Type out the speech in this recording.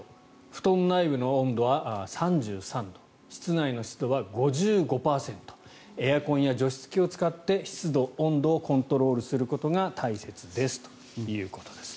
布団内部の温度は３３度室内の湿度は５５％エアコンや除湿器を使って湿度、温度をコントロールすることが大切ですということです。